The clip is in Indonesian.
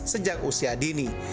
sejak usia dini